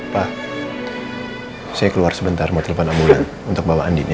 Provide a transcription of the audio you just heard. pak saya keluar sebentar mau telepon ambulansi untuk bawa andin ya